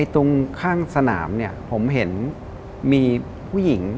ตรงข้างสนามผมเห็นมีผู้หญิง